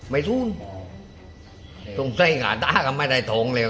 ไม่ทุนตรงไทยกระดาษก็ไม่ได้ทองเลย